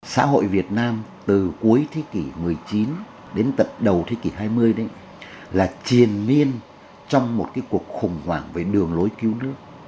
xã hội việt nam từ cuối thế kỷ một mươi chín đến tận đầu thế kỷ hai mươi là triền miên trong một cuộc khủng hoảng về đường lối cứu nước